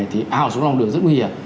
thì ao xuống lòng đường rất nguy hiểm